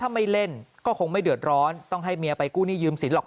ถ้าไม่เล่นก็คงไม่เดือดร้อนต้องให้เมียไปกู้หนี้ยืมสินหรอก